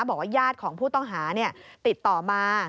บอกว่าญาติของผู้ต้องหาติดต่อมา